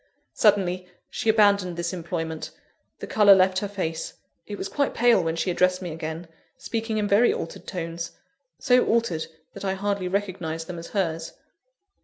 Suddenly, she abandoned this employment; the colour left her face; it was quite pale when she addressed me again, speaking in very altered tones; so altered, that I hardly recognised them as hers.